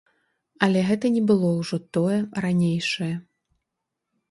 Але гэта не было ўжо тое, ранейшае.